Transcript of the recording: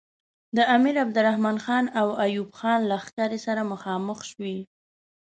د امیر عبدالرحمن خان او ایوب خان لښکرې سره مخامخ شوې.